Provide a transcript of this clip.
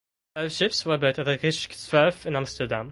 Both ships were built at the "Rijkswerf" in Amsterdam.